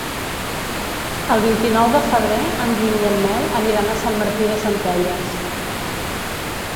El vint-i-nou de febrer en Guim i en Nel aniran a Sant Martí de Centelles.